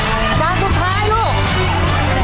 จานสุดท้ายลูก